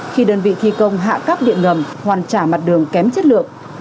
khi đơn vị thi công hạ cắp điện ngầm hoàn trả mặt đường kém chất lượng